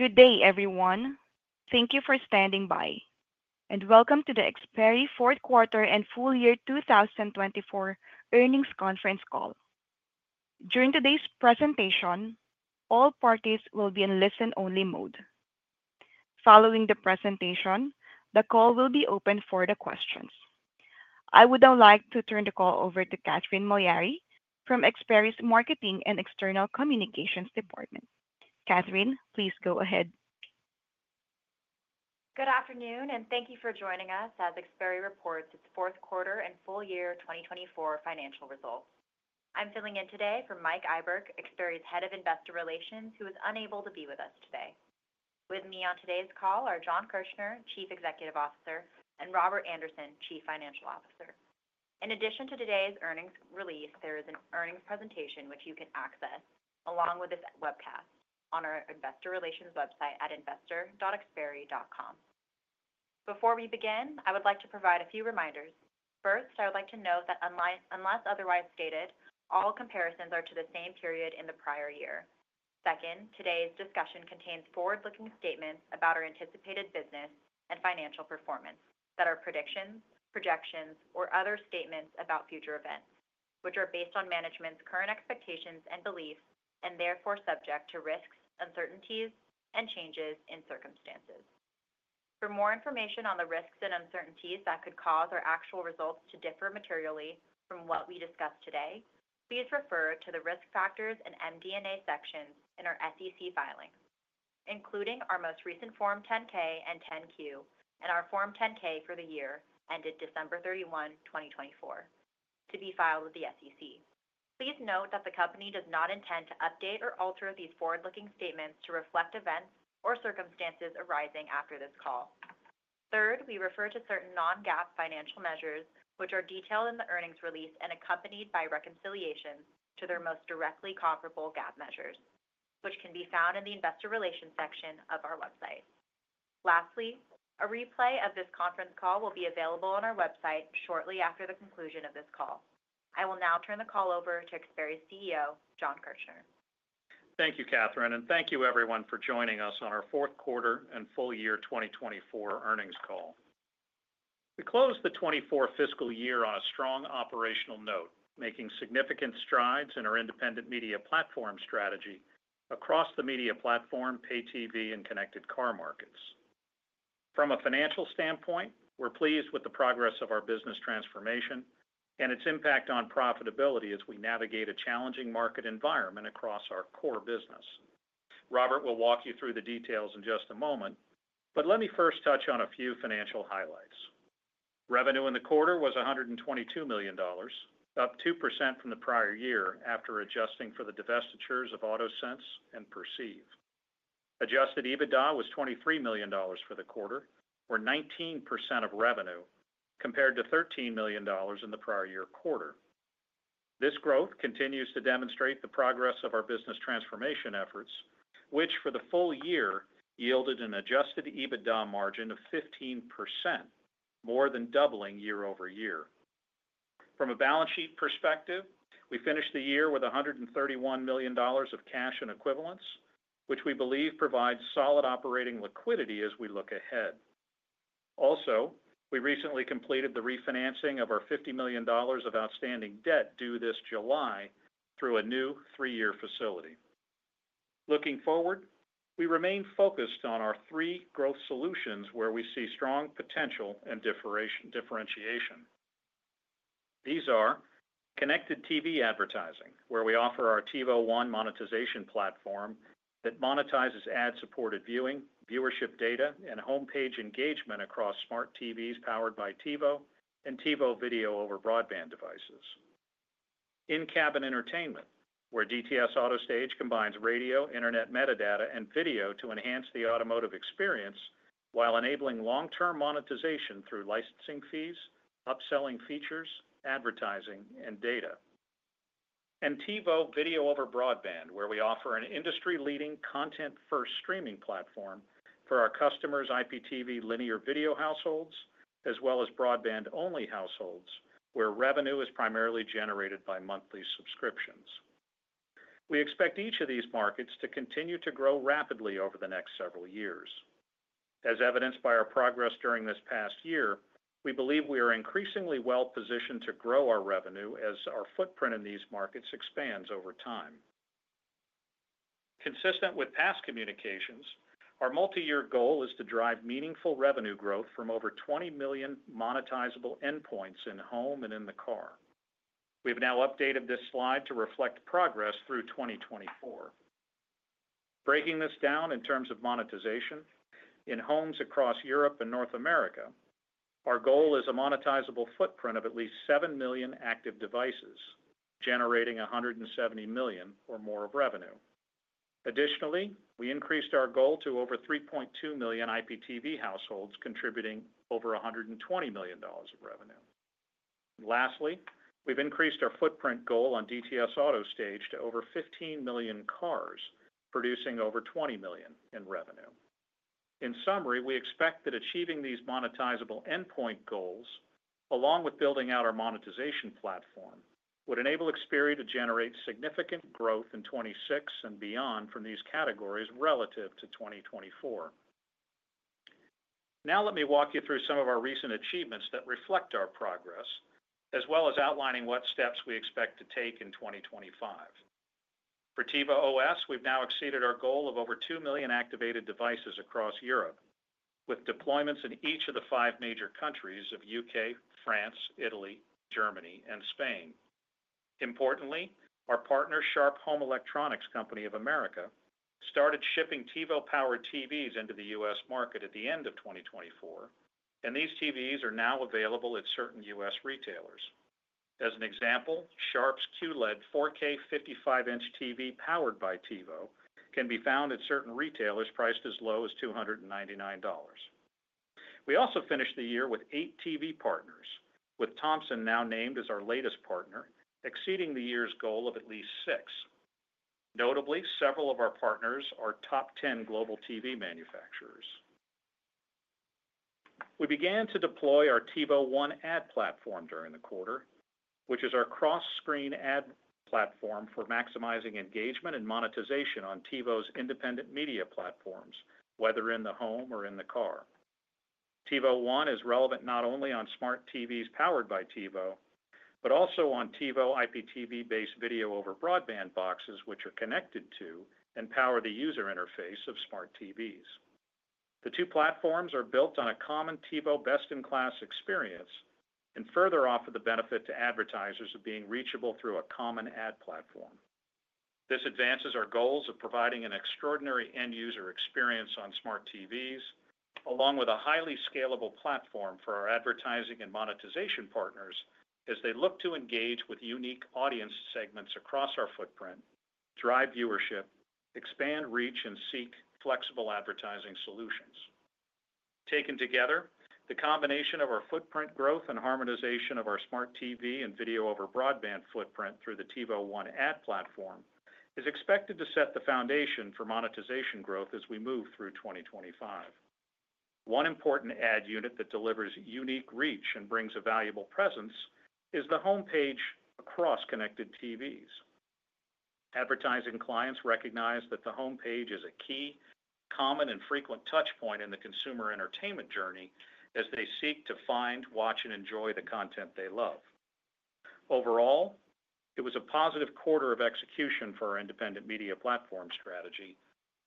Good day, everyone. Thank you for standing by, and welcome to the Xperi fourth quarter and full year 2024 earnings conference call. During today's presentation, all parties will be in listen-only mode. Following the presentation, the call will be open for questions. I would now like to turn the call over to Catheryn Mallari from Xperi's Marketing and External Communications Department. Catheryn, please go ahead. Good afternoon, and thank you for joining us as Xperi reports its fourth quarter and full year 2024 financial results. I'm filling in today for Mike Iburg, Xperi's Head of Investor Relations, who is unable to be with us today. With me on today's call are Jon Kirchner, Chief Executive Officer, and Robert Andersen, Chief Financial Officer. In addition to today's earnings release, there is an earnings presentation which you can access along with this webcast on our Investor Relations website at investor.xperi.com. Before we begin, I would like to provide a few reminders. First, I would like to note that unless otherwise stated, all comparisons are to the same period in the prior year. Second, today's discussion contains forward-looking statements about our anticipated business and financial performance that are predictions, projections, or other statements about future events which are based on management's current expectations and beliefs and therefore subject to risks, uncertainties, and changes in circumstances. For more information on the risks and uncertainties that could cause our actual results to differ materially from what we discuss today, please refer to the Risk Factors and MD&A sections in our SEC filings, including our most recent Form 10-K and 10-Q, and our Form 10-K for the year ended December 31, 2024, to be filed with the SEC. Please note that the company does not intend to update or alter these forward-looking statements to reflect events or circumstances arising after this call. Third, we refer to certain non-GAAP financial measures which are detailed in the earnings release and accompanied by reconciliation to their most directly comparable GAAP measures, which can be found in the Investor Relations section of our website. Lastly, a replay of this conference call will be available on our website shortly after the conclusion of this call. I will now turn the call over to Xperi's CEO, Jon Kirchner. Thank you, Catheryn, and thank you, everyone, for joining us on our fourth quarter and full year 2024 earnings call. We closed the 2024 fiscal year on a strong operational note, making significant strides in our independent Media Platform strategy across the Media Platform, Pay TV, and Connected Car Markets. From a financial standpoint, we're pleased with the progress of our business transformation and its impact on profitability as we navigate a challenging market environment across our core business. Robert will walk you through the details in just a moment, but let me first touch on a few financial highlights. Revenue in the quarter was $122 million, up 2% from the prior year after adjusting for the divestitures of AutoSense and Perceive. Adjusted EBITDA was $23 million for the quarter, or 19% of revenue, compared to $13 million in the prior year quarter. This growth continues to demonstrate the progress of our business transformation efforts, which for the full year yielded an adjusted EBITDA margin of 15%, more than doubling year over year. From a balance sheet perspective, we finished the year with $131 million of cash and equivalents, which we believe provides solid operating liquidity as we look ahead. Also, we recently completed the refinancing of our $50 million of outstanding debt due this July through a new three-year facility. Looking forward, we remain focused on our three growth solutions where we see strong potential and differentiation. These are connected TV advertising, where we offer our TiVo One monetization platform that monetizes ad-supported viewing, viewership data, and homepage engagement across Smart TVs powered by TiVo and TiVo video-over-broadband devices. In-cabin entertainment, where DTS AutoStage combines radio, internet metadata, and video to enhance the automotive experience while enabling long-term monetization through licensing fees, upselling features, advertising, and data. TiVo video-over-broadband, where we offer an industry-leading content-first streaming platform for our customers' IPTV linear video households, as well as broadband-only households where revenue is primarily generated by monthly subscriptions. We expect each of these markets to continue to grow rapidly over the next several years. As evidenced by our progress during this past year, we believe we are increasingly well-positioned to grow our revenue as our footprint in these markets expands over time. Consistent with past communications, our multi-year goal is to drive meaningful revenue growth from over 20 million monetizable endpoints in home and in the car. We have now updated this slide to reflect progress through 2024. Breaking this down in terms of monetization, in homes across Europe and North America, our goal is a monetizable footprint of at least 7 million active devices, generating $170 million or more of revenue. Additionally, we increased our goal to over 3.2 million IPTV households, contributing over $120 million of revenue. Lastly, we've increased our footprint goal on DTS AutoStage to over 15 million cars, producing over $20 million in revenue. In summary, we expect that achieving these monetizable endpoint goals, along with building out our monetization platform, would enable Xperi to generate significant growth in 2026 and beyond from these categories relative to 2024. Now, let me walk you through some of our recent achievements that reflect our progress, as well as outlining what steps we expect to take in 2025. For TiVo OS, we've now exceeded our goal of over 2 million activated devices across Europe, with deployments in each of the five major countries of the U.K., France, Italy, Germany, and Spain. Importantly, our partner, Sharp Home Electronics Company of America, started shipping TiVo-powered TVs into the U.S. market at the end of 2024, and these TVs are now available at certain U.S. retailers. As an example, Sharp's QLED 4K 55-inch TV powered by TiVo can be found at certain retailers priced as low as $299. We also finished the year with eight TV partners, with Thomson now named as our latest partner, exceeding the year's goal of at least six. Notably, several of our partners are top 10 global TV manufacturers. We began to deploy our TiVo One Ad Platform during the quarter, which is our cross-screen ad platform for maximizing engagement and monetization on TiVo's independent Media Platforms, whether in the home or in the car. TiVo One is relevant not only on Smart TVs powered by TiVo but also on TiVo IPTV-based video-over-broadband boxes, which are connected to and power the user interface of Smart TVs. The two platforms are built on a common TiVo best-in-class experience and further offer the benefit to advertisers of being reachable through a common ad platform. This advances our goals of providing an extraordinary end-user experience on Smart TVs, along with a highly scalable platform for our advertising and monetization partners as they look to engage with unique audience segments across our footprint, drive viewership, expand reach, and seek flexible advertising solutions. Taken together, the combination of our footprint growth and harmonization of our Smart TV and video-over-broadband footprint through the TiVo One Ad Platform is expected to set the foundation for monetization growth as we move through 2025. One important ad unit that delivers unique reach and brings a valuable presence is the homepage across connected TVs. Advertising clients recognize that the homepage is a key, common, and frequent touchpoint in the consumer entertainment journey as they seek to find, watch, and enjoy the content they love. Overall, it was a positive quarter of execution for our independent Media Platform strategy,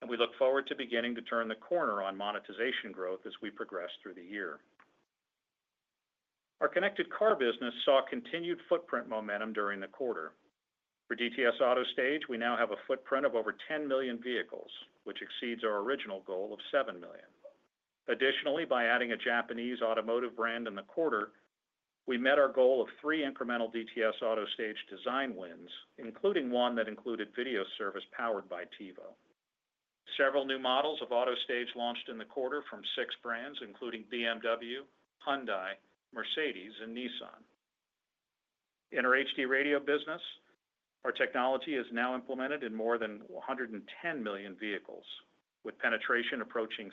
and we look forward to beginning to turn the corner on monetization growth as we progress through the year. Our Connected Car business saw continued footprint momentum during the quarter. For DTS AutoStage, we now have a footprint of over 10 million vehicles, which exceeds our original goal of 7 million. Additionally, by adding a Japanese automotive brand in the quarter, we met our goal of three incremental DTS AutoStage design wins, including one that included video service powered by TiVo. Several new models of AutoStage launched in the quarter from six brands, including BMW, Hyundai, Mercedes-Benz, and Nissan. In our HD Radio business, our technology is now implemented in more than 110 million vehicles, with penetration approaching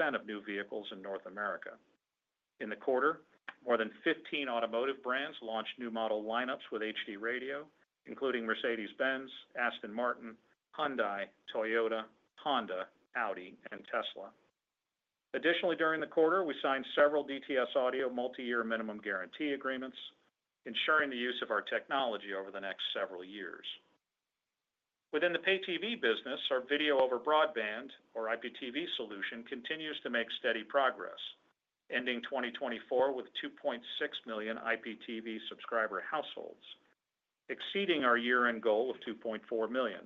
60% of new vehicles in North America. In the quarter, more than 15 automotive brands launched new model lineups with HD Radio, including Mercedes-Benz, Aston Martin, Hyundai, Toyota, Honda, Audi, and Tesla. Additionally, during the quarter, we signed several DTS Audio multi-year minimum guarantee agreements, ensuring the use of our technology over the next several years. Within the Pay TV business, our video-over-broadband, or IPTV, solution continues to make steady progress, ending 2024 with 2.6 million IPTV subscriber households, exceeding our year-end goal of 2.4 million.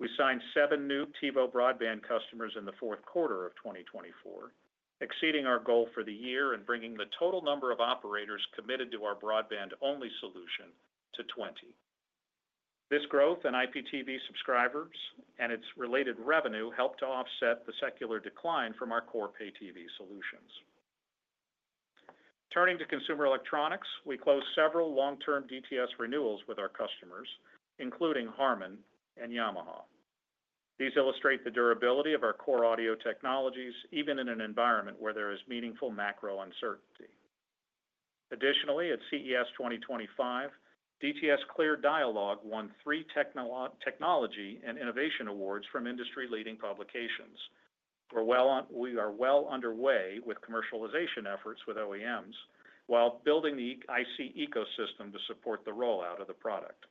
We signed seven new TiVo broadband customers in fourth quarter of 2024, exceeding our goal for the year and bringing the total number of operators committed to our broadband-only solution to 20. This growth in IPTV subscribers and its related revenue helped to offset the secular decline from our core Pay TV solutions. Turning to Consumer Electronics, we closed several long-term DTS renewals with our customers, including Harman and Yamaha. These illustrate the durability of our core audio technologies, even in an environment where there is meaningful macro uncertainty. Additionally, at CES 2025, DTS Clear Dialogue won three technology and innovation awards from industry-leading publications. We are well underway with commercialization efforts with OEMs while building the IC ecosystem to support the rollout of the product.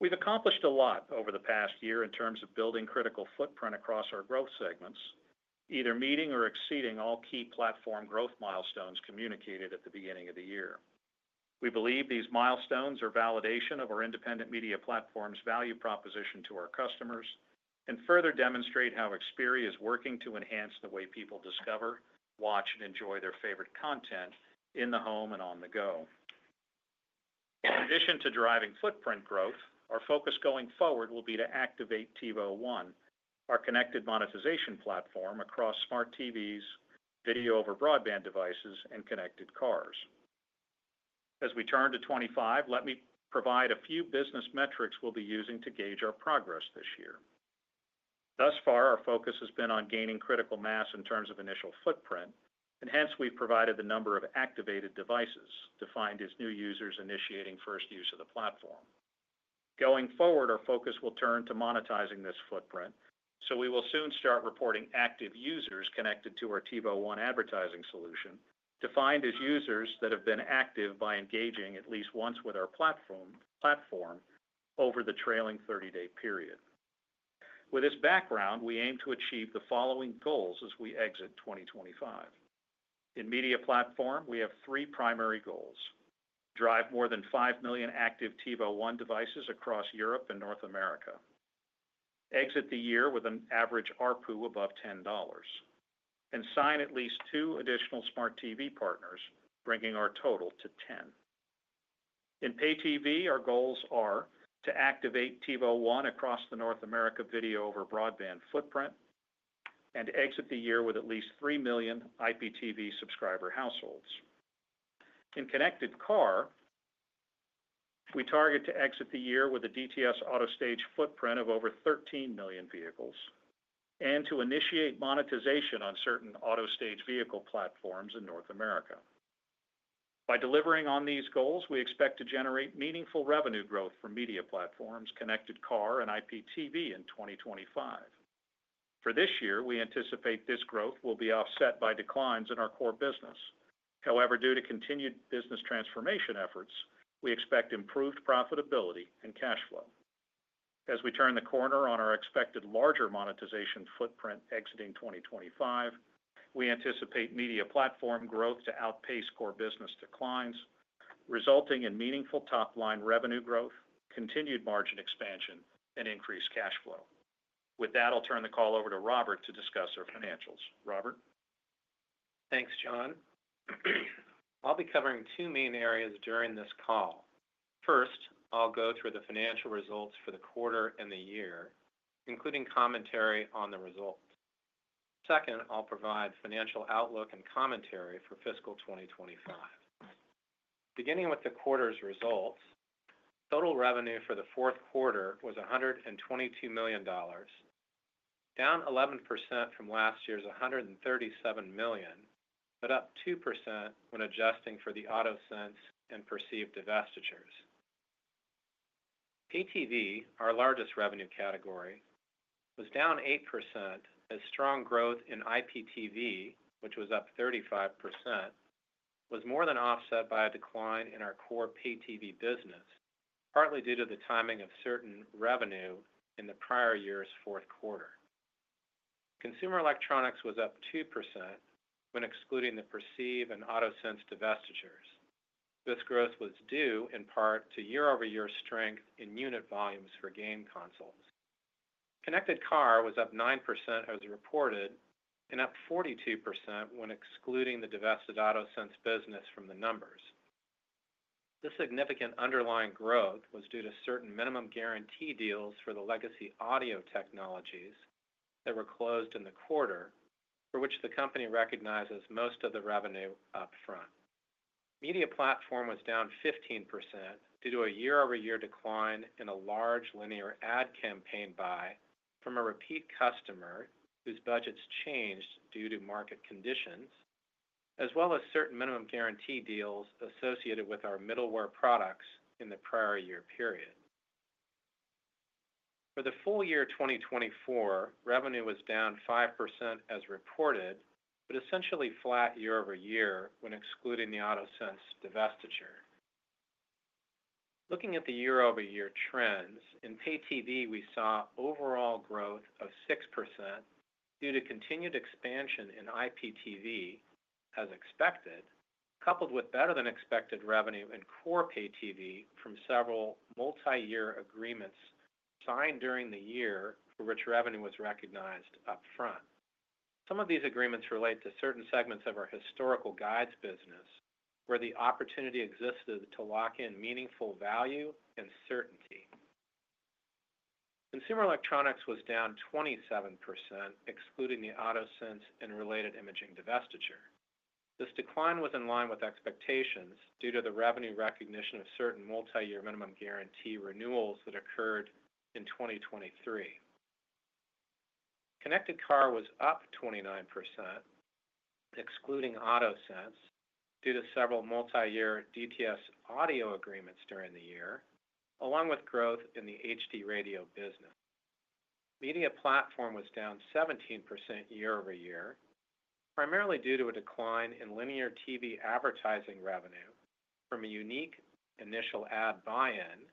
We've accomplished a lot over the past year in terms of building critical footprint across our growth segments, either meeting or exceeding all key platform growth milestones communicated at the beginning of the year. We believe these milestones are validation of our independent Media Platform's value proposition to our customers and further demonstrate how Xperi is working to enhance the way people discover, watch, and enjoy their favorite content in the home and on the go. In addition to driving footprint growth, our focus going forward will be to activate TiVo One, our connected monetization platform across Smart TVs, video-over-broadband devices, and Connected Cars. As we turn to 2025, let me provide a few business metrics we'll be using to gauge our progress this year. Thus far, our focus has been on gaining critical mass in terms of initial footprint, and hence we've provided the number of activated devices defined as new users initiating first use of the platform. Going forward, our focus will turn to monetizing this footprint, so we will soon start reporting active users connected to our TiVo One advertising solution defined as users that have been active by engaging at least once with our platform over the trailing 30-day period. With this background, we aim to achieve the following goals as we exit 2025. In Media Platform, we have three primary goals: drive more than 5 million active TiVo One devices across Europe and North America, exit the year with an average RPU above $10, and sign at least two additional Smart TV partners, bringing our total to 10. In Pay TV, our goals are to activate TiVo One across the North America video-over-broadband footprint and exit the year with at least 3 million IPTV subscriber households. In Connected Car, we target to exit the year with a DTS AutoStage footprint of over 13 million vehicles and to initiate monetization on certain AutoStage vehicle platforms in North America. By delivering on these goals, we expect to generate meaningful revenue growth for Media Platforms, Connected Car, and IPTV in 2025. For this year, we anticipate this growth will be offset by declines in our core business. However, due to continued business transformation efforts, we expect improved profitability and cash flow. As we turn the corner on our expected larger monetization footprint exiting 2025, we anticipate Media Platform growth to outpace core business declines, resulting in meaningful top-line revenue growth, continued margin expansion, and increased cash flow. With that, I'll turn the call over to Robert to discuss our financials. Robert? Thanks, Jon. I'll be covering two main areas during this call. First, I'll go through the financial results for the quarter and the year, including commentary on the results. Second, I'll provide financial outlook and commentary for fiscal 2025. Beginning with the quarter's results, total revenue for the fourth quarter was $122 million, down 11% from last year's $137 million but up 2% when adjusting for the AutoSense and Perceive divestitures. Pay TV, our largest revenue category, was down 8% as strong growth in IPTV, which was up 35%, was more than offset by a decline in our core Pay TV business, partly due to the timing of certain revenue in the prior year's fourth quarter. Consumer Electronics was up 2% when excluding the Perceive and AutoSense divestitures. This growth was due, in part, to year-over-year strength in unit volumes for game consoles. Connected Car was up 9% as reported and up 42% when excluding the divested AutoSense business from the numbers. This significant underlying growth was due to certain minimum guarantee deals for the legacy audio technologies that were closed in the quarter, for which the company recognizes most of the revenue upfront. Media platform was down 15% due to a year-over-year decline in a large linear ad campaign buy from a repeat customer whose budgets changed due to market conditions, as well as certain minimum guarantee deals associated with our middleware products in the prior year period. For the full year 2024, revenue was down 5% as reported but essentially flat year-over-year when excluding the AutoSense divestiture. Looking at the year-over-year trends, in Pay TV, we saw overall growth of 6% due to continued expansion in IPTV, as expected, coupled with better-than-expected revenue in core Pay TV from several multi-year agreements signed during the year for which revenue was recognized upfront. Some of these agreements relate to certain segments of our historical guides business where the opportunity existed to lock in meaningful value and certainty. Consumer Electronics was down 27%, excluding the AutoSense and related imaging divestiture. This decline was in line with expectations due to the revenue recognition of certain multi-year minimum guarantee renewals that occurred in 2023. Connected Car was up 29%, excluding AutoSense, due to several multi-year DTS Audio agreements during the year, along with growth in the HD Radio business. Media platform was down 17% year-over-year, primarily due to a decline in linear TV advertising revenue from a unique initial ad buy-in,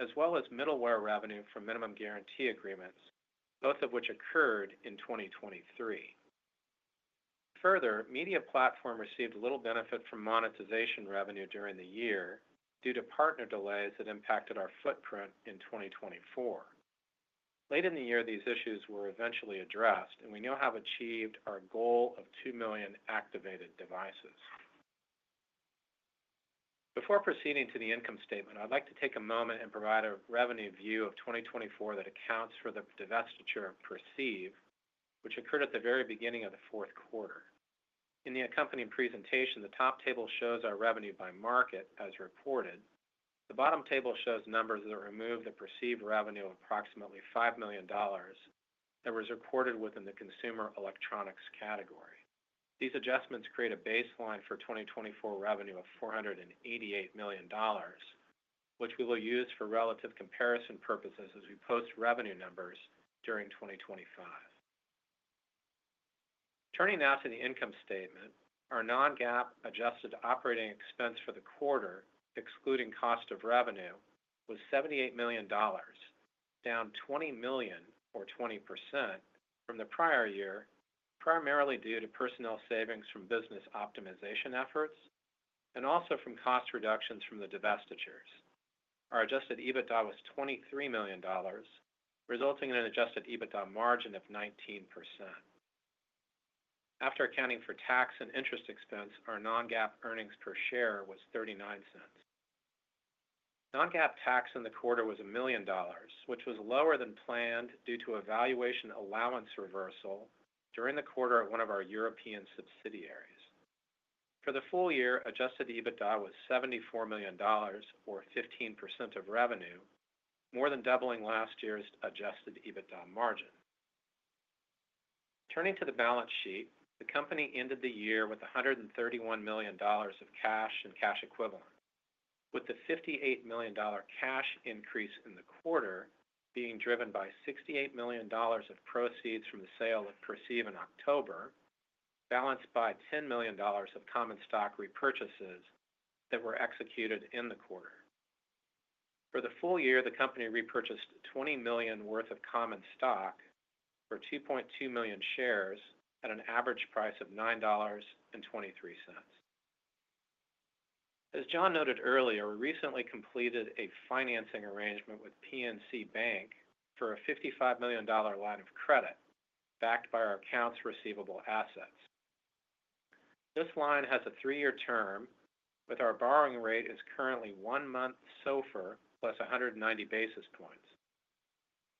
as well as middleware revenue from minimum guarantee agreements, both of which occurred in 2023. Further, Media Platform received little benefit from monetization revenue during the year due to partner delays that impacted our footprint in 2024. Late in the year, these issues were eventually addressed, and we now have achieved our goal of 2 million activated devices. Before proceeding to the income statement, I'd like to take a moment and provide a revenue view of 2024 that accounts for the divestiture of Perceive, which occurred at the very beginning of the fourth quarter. In the accompanying presentation, the top table shows our revenue by market, as reported. The bottom table shows numbers that remove the perceived revenue of approximately $5 million that was recorded within the Consumer Electronics category. These adjustments create a baseline for 2024 revenue of $488 million, which we will use for relative comparison purposes as we post revenue numbers during 2025. Turning now to the income statement, our non-GAAP adjusted operating expense for the quarter, excluding cost of revenue, was $78 million, down $20 million or 20% from the prior year, primarily due to personnel savings from business optimization efforts and also from cost reductions from the divestitures. Our adjusted EBITDA was $23 million, resulting in an adjusted EBITDA margin of 19%. After accounting for tax and interest expense, our non-GAAP earnings per share was $0.39. Non-GAAP tax in the quarter was $1 million, which was lower than planned due to a valuation allowance reversal during the quarter at one of our European subsidiaries. For the full year, adjusted EBITDA was $74 million, or 15% of revenue, more than doubling last year's adjusted EBITDA margin. Turning to the balance sheet, the company ended the year with $131 million of cash and cash equivalent, with the $58 million cash increase in the quarter being driven by $68 million of proceeds from the sale of Perceive in October, balanced by $10 million of common stock repurchases that were executed in the quarter. For the full year, the company repurchased $20 million worth of common stock for 2.2 million shares at an average price of $9.23. As Jon noted earlier, we recently completed a financing arrangement with PNC Bank for a $55 million line of credit backed by our accounts receivable assets. This line has a three-year term, with our borrowing rate currently one-month SOFR+ 190 basis points.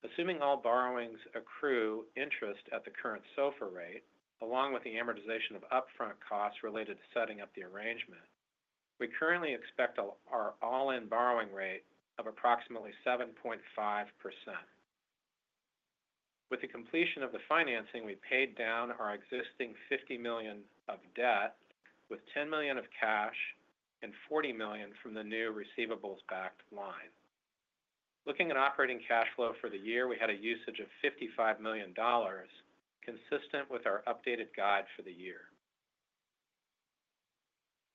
Assuming all borrowings accrue interest at the current SOFR rate, along with the amortization of upfront costs related to setting up the arrangement, we currently expect our all-in borrowing rate of approximately 7.5%. With the completion of the financing, we paid down our existing $50 million of debt with $10 million of cash and $40 million from the new receivables-backed line. Looking at operating cash flow for the year, we had a usage of $55 million, consistent with our updated guide for the year.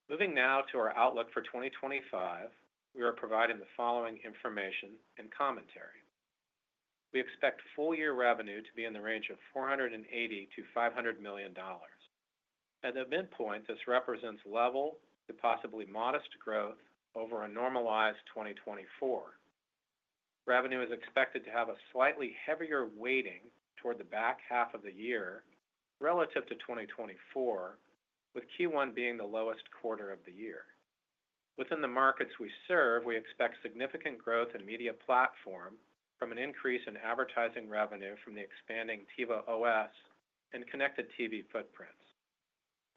Moving now to our outlook for 2025, we are providing the following information and commentary. We expect full-year revenue to be in the range of $480 million-$500 million. At the midpoint, this represents level to possibly modest growth over a normalized 2024. Revenue is expected to have a slightly heavier weighting toward the back half of the year relative to 2024, with Q1 being the lowest quarter of the year. Within the markets we serve, we expect significant growth in Media Platform from an increase in advertising revenue from the expanding TiVo OS and connected TV footprints.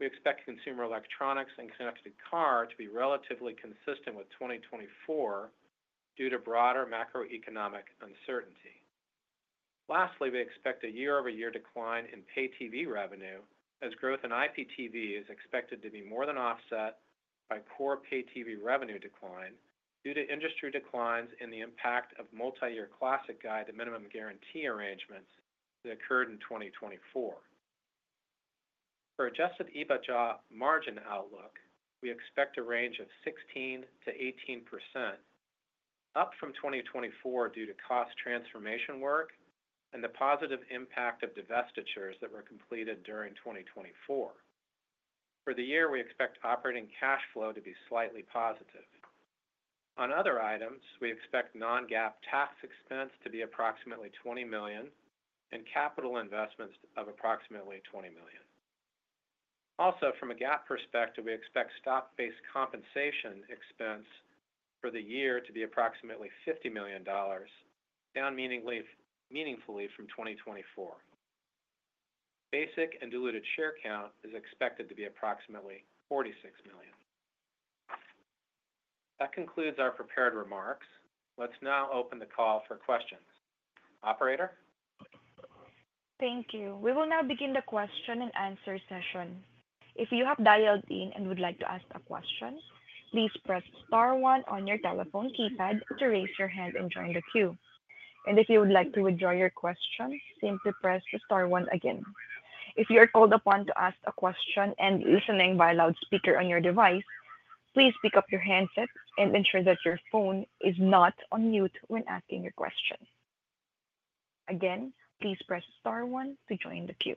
We expect Consumer Electronics and Connected Car to be relatively consistent with 2024 due to broader macroeconomic uncertainty. Lastly, we expect a year-over-year decline in Pay TV revenue as growth in IPTV is expected to be more than offset by core Pay TV revenue decline due to industry declines in the impact of multi-year classic guide and minimum guarantee arrangements that occurred in 2024. For adjusted EBITDA margin outlook, we expect a range of 16%-18%, up from 2024 due to cost transformation work and the positive impact of divestitures that were completed during 2024. For the year, we expect operating cash flow to be slightly positive. On other items, we expect non-GAAP tax expense to be approximately $20 million and capital investments of approximately $20 million. Also, from a GAAP perspective, we expect stock-based compensation expense for the year to be approximately $50 million, down meaningfully from 2024. Basic and diluted share count is expected to be approximately 46 million. That concludes our prepared remarks. Let's now open the call for questions. Operator? Thank you. We will now begin the question and answer session. If you have dialed in and would like to ask a question, please press star 1 on your telephone keypad to raise your hand and join the queue. If you would like to withdraw your question, simply press the star one again. If you are called upon to ask a question and listening via loudspeaker on your device, please pick up your handset and ensure that your phone is not on mute when asking your question. Again, please press star one to join the queue.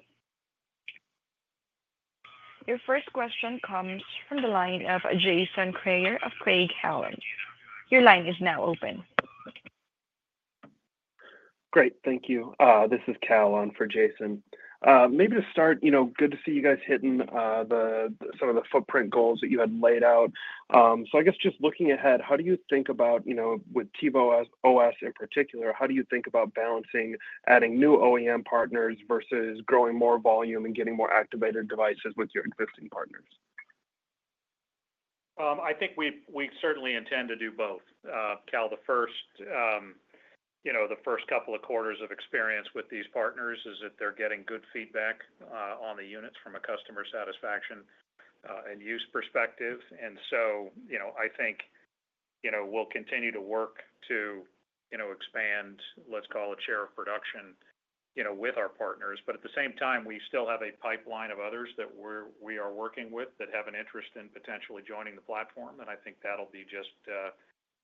Your first question comes from the line of Jason Kreyer of Craig-Hallum. Your line is now open. Great. Thank you. This is Cal on for Jason. Maybe to start, good to see you guys hitting some of the footprint goals that you had laid out. I guess just looking ahead, how do you think about, with TiVo OS in particular, how do you think about balancing adding new OEM partners versus growing more volume and getting more activated devices with your existing partners? I think we certainly intend to do both. Cal, the first couple of quarters of experience with these partners is that they're getting good feedback on the units from a customer satisfaction and use perspective. I think we'll continue to work to expand, let's call it, share of production with our partners. At the same time, we still have a pipeline of others that we are working with that have an interest in potentially joining the platform. I think that'll be just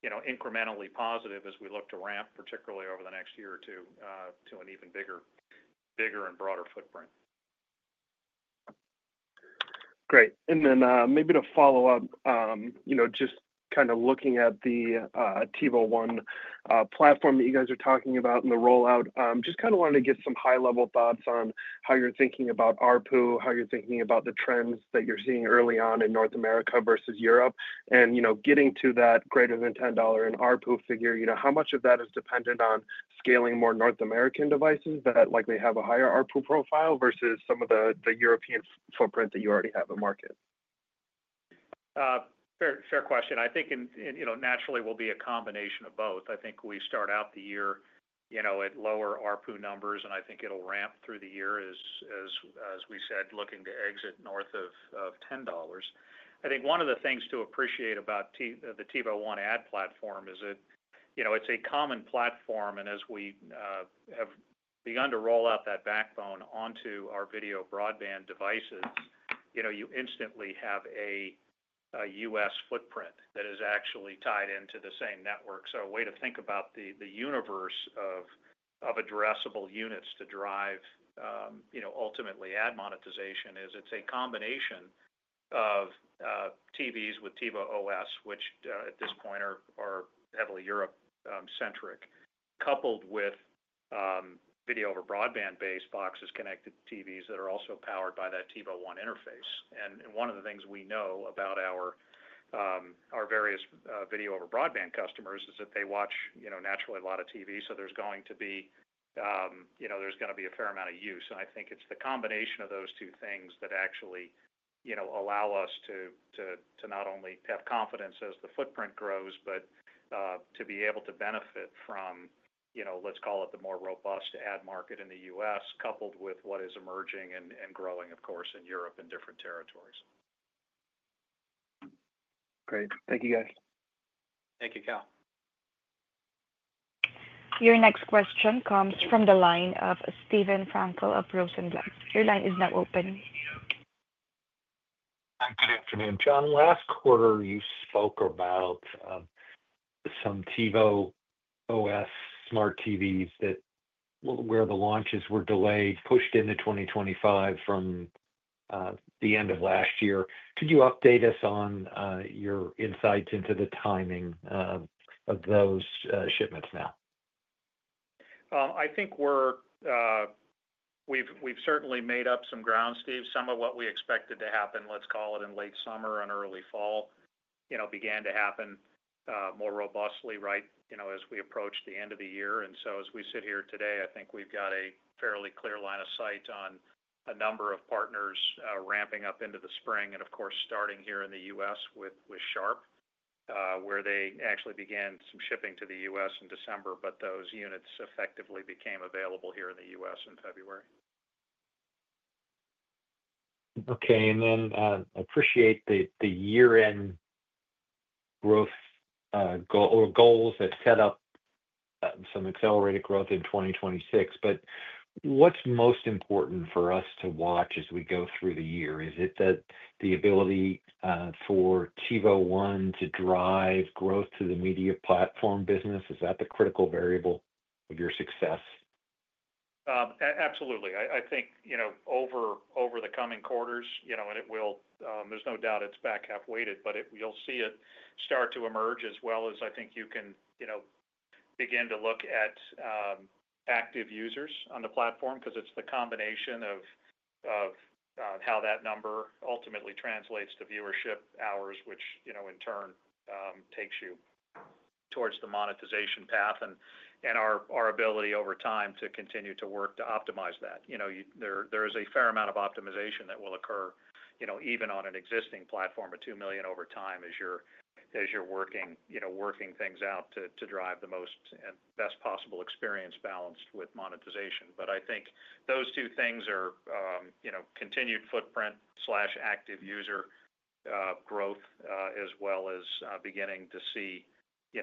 incrementally positive as we look to ramp, particularly over the next year or two, to an even bigger and broader footprint. Great. Maybe to follow up, just kind of looking at the TiVo One platform that you guys are talking about and the rollout, just kind of wanted to get some high-level thoughts on how you're thinking about ARPU, how you're thinking about the trends that you're seeing early on in North America versus Europe. And getting to that greater than $10 in ARPU figure, how much of that is dependent on scaling more North American devices that likely have a higher ARPU profile versus some of the European footprint that you already have in market? Fair question. I think, naturally, will be a combination of both. I think we start out the year at lower ARPU numbers, and I think it'll ramp through the year, as we said, looking to exit north of $10. I think one of the things to appreciate about the TiVo One Ad Platform is that it's a common platform. As we have begun to roll out that backbone onto our video broadband devices, you instantly have a U.S. footprint that is actually tied into the same network. A way to think about the universe of addressable units to drive ultimately ad monetization is it's a combination of TVs with TiVo OS, which at this point are heavily Europe-centric, coupled with video-over-broadband-based boxes connected to TVs that are also powered by that TiVo One interface. One of the things we know about our various video-over-broadband customers is that they watch, naturally, a lot of TV, so there's going to be a fair amount of use. I think it's the combination of those two things that actually allow us to not only have confidence as the footprint grows, but to be able to benefit from, let's call it, the more robust ad market in the U.S., coupled with what is emerging and growing, of course, in Europe and different territories. Great. Thank you, guys. Thank you, Cal. Your next question comes from the line of Steve Frankel of Rosenblatt. Your line is now open. Good afternoon, Jon. Last quarter, you spoke about some TiVo OS Smart TVs that where the launches were delayed, pushed into 2025 from the end of last year. Could you update us on your insights into the timing of those shipments now? I think we've certainly made up some ground, Steve. Some of what we expected to happen, let's call it, in late summer and early fall began to happen more robustly right as we approached the end of the year. As we sit here today, I think we've got a fairly clear line of sight on a number of partners ramping up into the spring. Of course, starting here in the U.S. with Sharp, where they actually began some shipping to the U.S. in December, but those units effectively became available here in the U.S. in February. Okay. I appreciate the year-end growth goals that set up some accelerated growth in 2026. What's most important for us to watch as we go through the year? Is it that the ability for TiVo One to drive growth to the Media Platform business? Is that the critical variable of your success? Absolutely. I think over the coming quarters, and there's no doubt it's back half-weighted, but you'll see it start to emerge as well as I think you can begin to look at active users on the platform because it's the combination of how that number ultimately translates to viewership hours, which in turn takes you towards the monetization path and our ability over time to continue to work to optimize that. There is a fair amount of optimization that will occur even on an existing platform of 2 million over time as you're working things out to drive the most best possible experience balanced with monetization. I think those two things are continued footprint/active user growth as well as beginning to see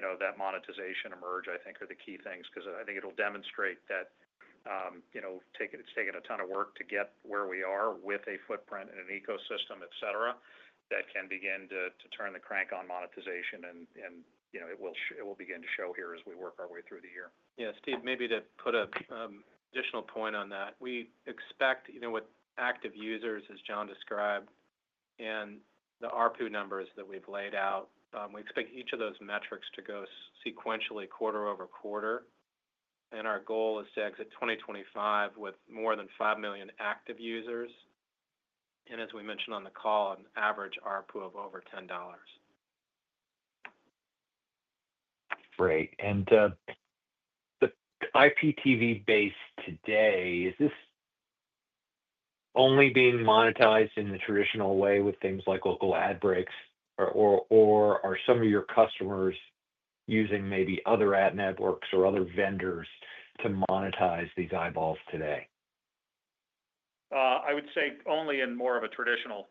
that monetization emerge, I think, are the key things because I think it'll demonstrate that it's taken a ton of work to get where we are with a footprint and an ecosystem, etc., that can begin to turn the crank on monetization. It will begin to show here as we work our way through the year. Yeah. Steve, maybe to put an additional point on that, we expect with active users, as Jon described, and the ARPU numbers that we've laid out, we expect each of those metrics to go sequentially quarter over quarter. Our goal is to exit 2025 with more than 5 million active users. As we mentioned on the call, an average ARPU of over $10. Great. The IPTV base today, is this only being monetized in the traditional way with things like local ad breaks, or are some of your customers using maybe other ad networks or other vendors to monetize these eyeballs today? I would say only in more of a traditional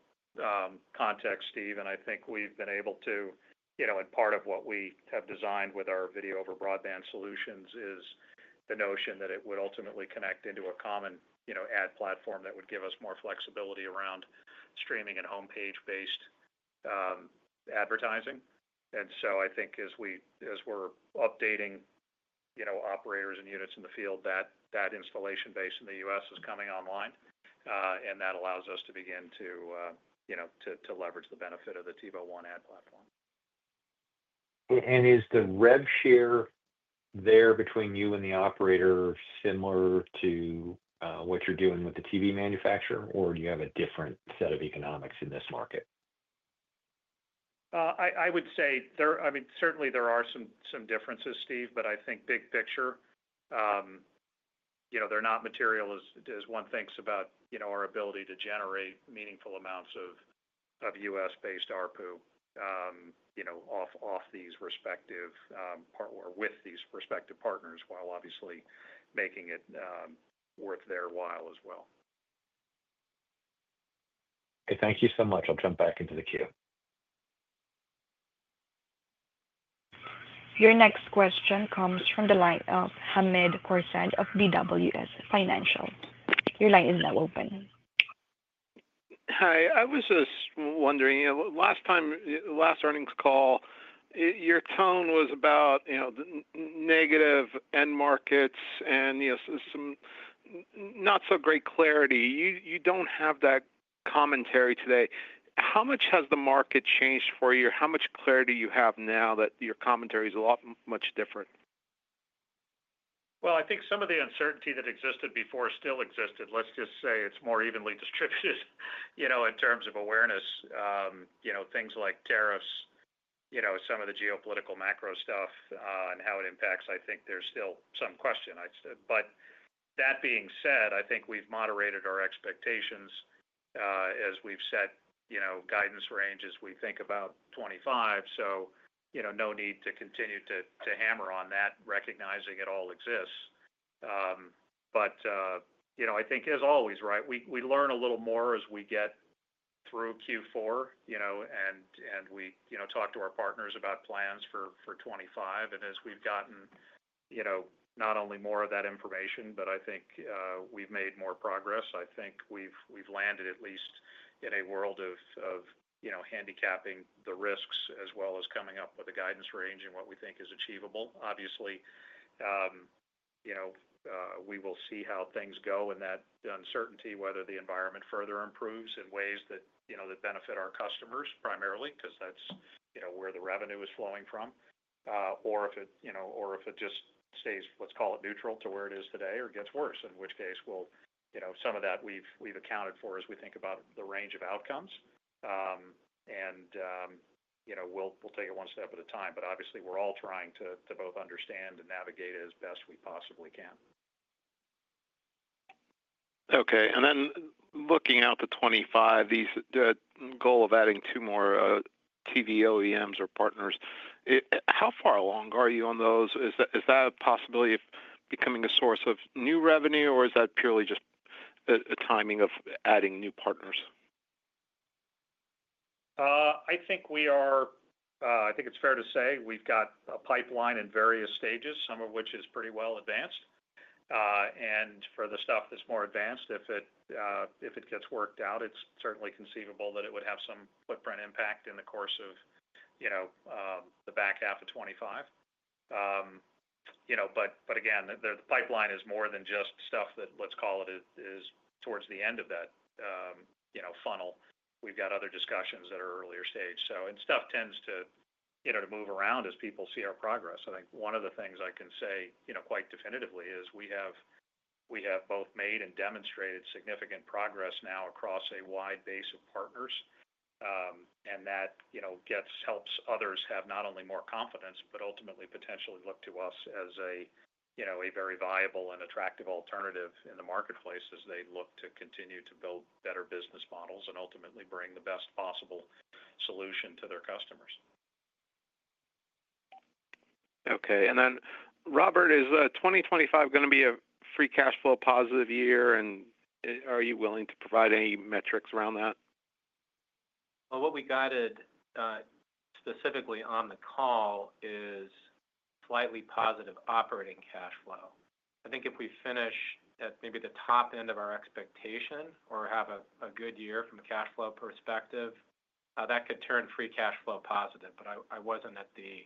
context, Steve. I think we've been able to, and part of what we have designed with our video-over-broadband solutions is the notion that it would ultimately connect into a common ad platform that would give us more flexibility around streaming and homepage-based advertising. I think as we're updating operators and units in the field, that installation base in the U.S. is coming online. That allows us to begin to leverage the benefit of the TiVo One Ad Platform. Is the rev share there between you and the operator similar to what you're doing with the TV manufacturer, or do you have a different set of economics in this market? I would say, I mean, certainly there are some differences, Steve, but I think big picture, they're not material as one thinks about our ability to generate meaningful amounts of U.S.-based ARPU off these respective or with these respective partners while obviously making it worth their while as well. Okay. Thank you so much. I'll jump back into the queue. Your next question comes from the line of Hamed Khorsand of BWS Financial. Your line is now open. Hi. I was just wondering, last earnings call, your tone was about negative end markets and some not-so-great clarity. You don't have that commentary today. How much has the market changed for you? How much clarity do you have now that your commentary is a lot much different? I think some of the uncertainty that existed before still existed. Let's just say it's more evenly distributed in terms of awareness. Things like tariffs, some of the geopolitical macro stuff, and how it impacts, I think there's still some question. That being said, I think we've moderated our expectations as we've set guidance range as we think about 2025. No need to continue to hammer on that, recognizing it all exists. I think, as always, right, we learn a little more as we get through Q4, and we talk to our partners about plans for 2025. As we've gotten not only more of that information, but I think we've made more progress, I think we've landed at least in a world of handicapping the risks as well as coming up with a guidance range and what we think is achievable. Obviously, we will see how things go in that uncertainty, whether the environment further improves in ways that benefit our customers primarily because that's where the revenue is flowing from, or if it just stays, let's call it neutral to where it is today or gets worse, in which case some of that we've accounted for as we think about the range of outcomes. We'll take it one step at a time. Obviously, we're all trying to both understand and navigate it as best we possibly can. Okay. Looking out to 2025, the goal of adding two more TV OEMs or partners, how far along are you on those? Is that a possibility of becoming a source of new revenue, or is that purely just a timing of adding new partners? I think it's fair to say we've got a pipeline in various stages, some of which is pretty well advanced. For the stuff that's more advanced, if it gets worked out, it's certainly conceivable that it would have some footprint impact in the course of the back half of 2025. The pipeline is more than just stuff that, let's call it, is towards the end of that funnel. We've got other discussions that are earlier stage. Stuff tends to move around as people see our progress. I think one of the things I can say quite definitively is we have both made and demonstrated significant progress now across a wide base of partners. That helps others have not only more confidence, but ultimately potentially look to us as a very viable and attractive alternative in the marketplace as they look to continue to build better business models and ultimately bring the best possible solution to their customers. Okay. Robert, is 2025 going to be a free cash flow positive year, and are you willing to provide any metrics around that? What we guided specifically on the call is slightly positive operating cash flow. I think if we finish at maybe the top end of our expectation or have a good year from a cash flow perspective, that could turn free cash flow positive. I wasn't at the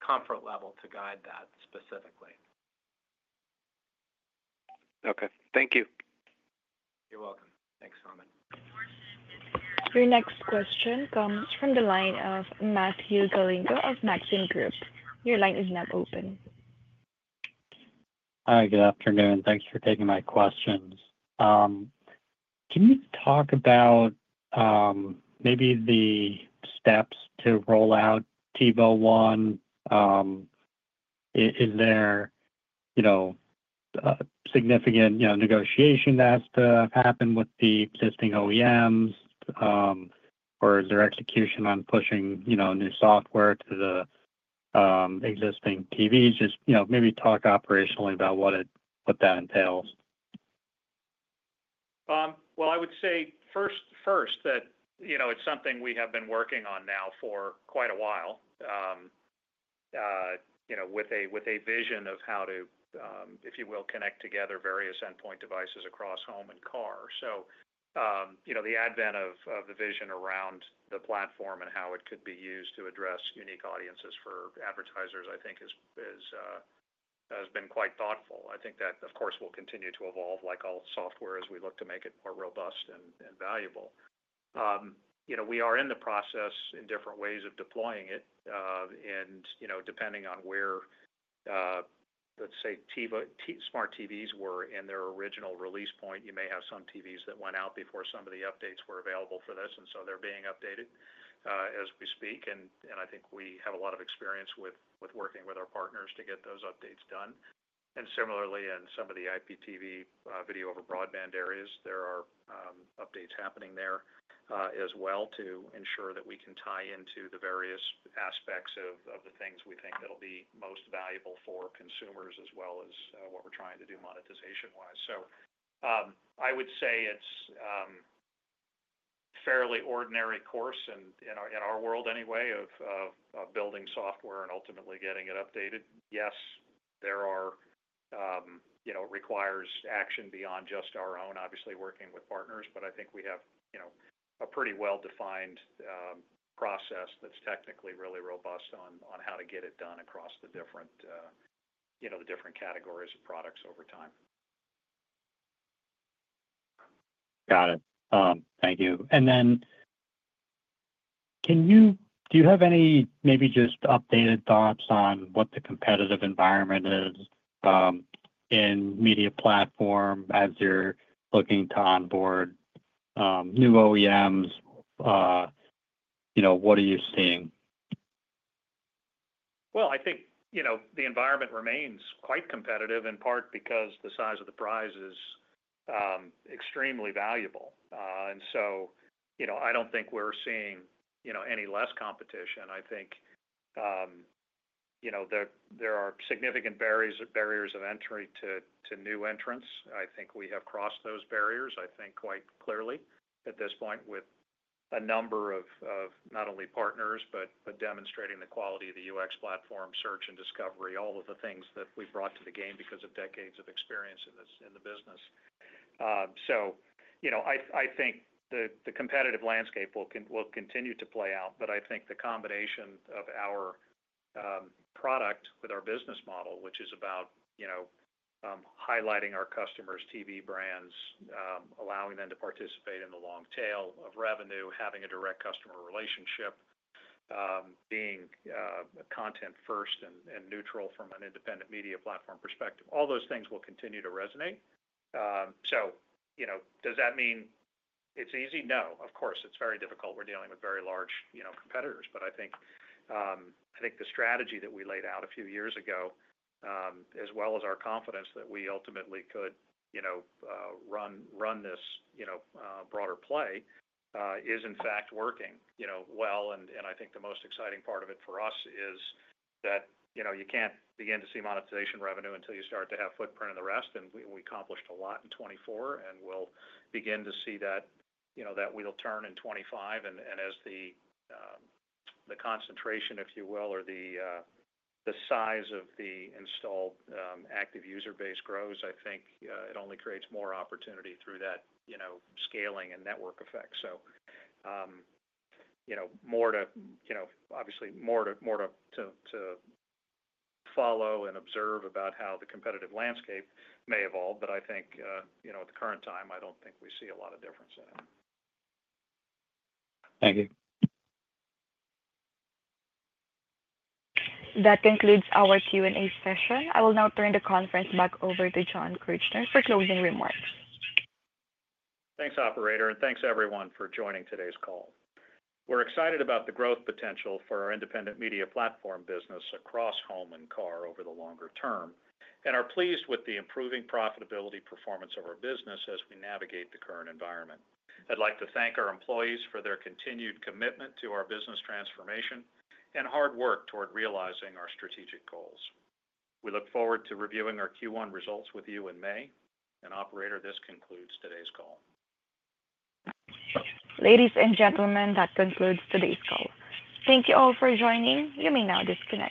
comfort level to guide that specifically. Okay. Thank you. You're welcome. Thanks, Hamed. Your next question comes from the line of Matthew Galinko of Maxim Group. Your line is now open. Hi. Good afternoon. Thanks for taking my questions. Can you talk about maybe the steps to roll out TiVo One? Is there significant negotiation that has to happen with the existing OEMs, or is there execution on pushing new software to the existing TVs? Just maybe talk operationally about what that entails. I would say first that it's something we have been working on now for quite a while with a vision of how to, if you will, connect together various endpoint devices across home and car. The advent of the vision around the platform and how it could be used to address unique audiences for advertisers, I think, has been quite thoughtful. I think that, of course, will continue to evolve like all software as we look to make it more robust and valuable. We are in the process in different ways of deploying it. Depending on where, let's say, Smart TVs were in their original release point, you may have some TVs that went out before some of the updates were available for this. They are being updated as we speak. I think we have a lot of experience with working with our partners to get those updates done. Similarly, in some of the IPTV video-over-broadband areas, there are updates happening there as well to ensure that we can tie into the various aspects of the things we think that'll be most valuable for consumers as well as what we're trying to do monetization-wise. I would say it's fairly ordinary course in our world anyway of building software and ultimately getting it updated. Yes, there are requires action beyond just our own, obviously working with partners. I think we have a pretty well-defined process that's technically really robust on how to get it done across the different categories of products over time. Got it. Thank you. Do you have any maybe just updated thoughts on what the competitive environment is in Media Platform as you're looking to onboard new OEMs? What are you seeing? I think the environment remains quite competitive in part because the size of the prize is extremely valuable. I do not think we are seeing any less competition. I think there are significant barriers of entry to new entrants. I think we have crossed those barriers, I think, quite clearly at this point with a number of not only partners, but demonstrating the quality of the UX platform, search and discovery, all of the things that we have brought to the game because of decades of experience in the business. I think the competitive landscape will continue to play out. I think the combination of our product with our business model, which is about highlighting our customers, TV brands, allowing them to participate in the long tail of revenue, having a direct customer relationship, being content-first and neutral from an independent Media Platform perspective, all those things will continue to resonate. Does that mean it's easy? No. Of course, it's very difficult. We're dealing with very large competitors. I think the strategy that we laid out a few years ago, as well as our confidence that we ultimately could run this broader play, is in fact working well. I think the most exciting part of it for us is that you can't begin to see monetization revenue until you start to have footprint in the rest. We accomplished a lot in 2024. We'll begin to see that wheel turn in 2025. As the concentration, if you will, or the size of the installed active user base grows, I think it only creates more opportunity through that scaling and network effect. More to follow and observe about how the competitive landscape may evolve. I think at the current time, I do not think we see a lot of difference in it. Thank you. That concludes our Q&A session. I will now turn the conference back over to Jon Kirchner for closing remarks. Thanks, operator. Thanks, everyone, for joining today's call. We are excited about the growth potential for our independent Media Platform business across home and car over the longer term and are pleased with the improving profitability performance of our business as we navigate the current environment. I'd like to thank our employees for their continued commitment to our business transformation and hard work toward realizing our strategic goals. We look forward to reviewing our Q1 results with you in May. Operator, this concludes today's call. Ladies and gentlemen, that concludes today's call. Thank you all for joining. You may now disconnect.